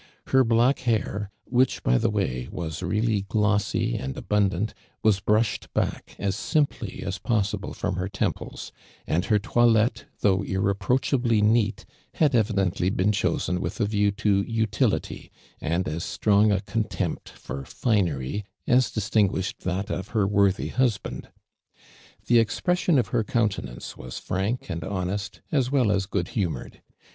Her black hair, which, by the way, was real ly glossy and abundant, was brushed back as simply as possible from her temples; and her toilct/e, though irreproachably neat, hiul evidently been chosen with a view to utility, and as strong a contempt for finery as distinguished that of her worthy husband. The expression of her «oinitenance was frank anfl honest, as well MS good humored.